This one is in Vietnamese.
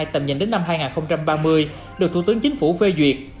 tầm nhìn đến năm hai nghìn ba mươi được thủ tướng chính phủ phê duyệt